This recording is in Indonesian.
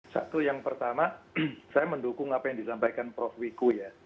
satu yang pertama saya mendukung apa yang disampaikan prof wiku ya